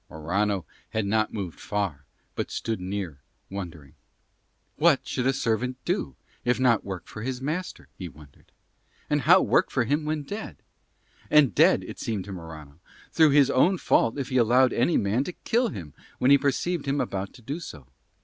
Morano had not moved far, but stood near, wondering. "What should a servant do if not work for his master?" he wondered. And how work for him when dead? And dead, as it seemed to Morano, through his own fault if he allowed any man to kill him when he perceived him about to do so.